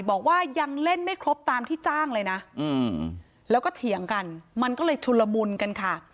บอกว่ายังเล่นไม่ครบตามที่จ้างเลยนะแล้วก็เถียงกันมันก็เลยชุนละมุนกันค่ะ